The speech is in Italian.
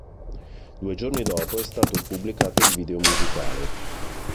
Due giorni dopo è stato pubblicato il video musicale.